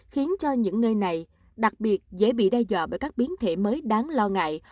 khiến cho những nơi này đặc biệt dễ bị đe dọa bởi các biến thể mới đáng lo ngại